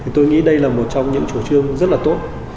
tôi nghĩ đây là một trong những chủ trương rất là tốt